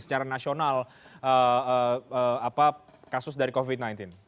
secara nasional kasus dari covid sembilan belas